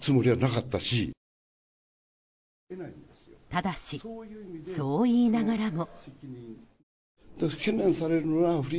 ただし、そう言いながらも。